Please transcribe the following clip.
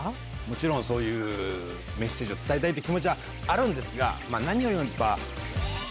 もちろんそういうメッセージを伝えたいっていう気持ちはあるんですがまぁ何よりもやっぱ。